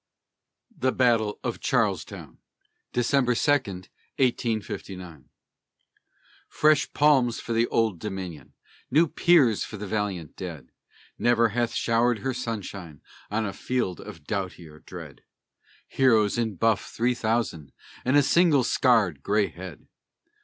THE BATTLE OF CHARLESTOWN [December 2, 1859] Fresh palms for the Old Dominion! New peers for the valiant Dead! Never hath showered her sunshine On a field of doughtier dread Heroes in buff three thousand, And a single scarred gray head!